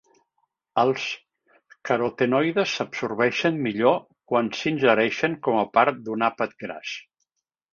Els carotenoides s'absorbeixen millor quan s'ingereixen com a part d'un àpat gras.